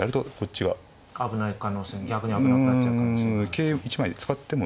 桂１枚使っても。